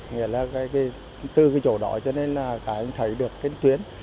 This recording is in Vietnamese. nghĩa là từ cái chỗ đó cho nên là cả anh thấy được cái tuyến